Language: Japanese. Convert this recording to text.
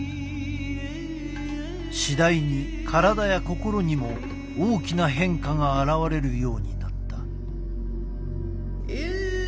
次第に体や心にも大きな変化が現れるようになった。